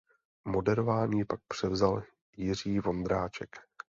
Moderování pak převzal Jiří Vondráček.